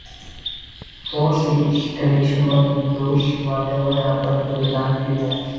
Forsyth's television work includes Whatever Happened to the Likely Lads?